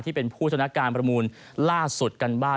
ที่เป็นผู้ชนะการประมูลล่าสุดกันบ้าง